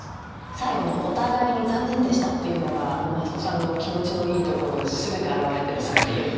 最後の「お互いに残念でした！」っていうのがもう増子さんの気持ちのいいところが全て表れてるなっていう。